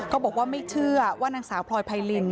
บอกว่าไม่เชื่อว่านางสาวพลอยไพริน